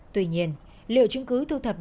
tuy nhiên liệu chứng cứ